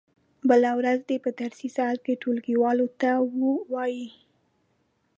بله ورځ دې په درسي ساعت کې ټولګیوالو ته و وایي.